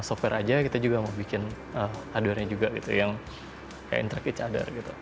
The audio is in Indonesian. software aja kita juga mau bikin hardware nya juga gitu yang interact each other gitu